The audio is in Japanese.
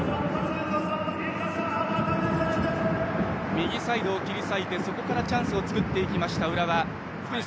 右サイドを切り裂いて、そこからチャンスを作っていった浦和。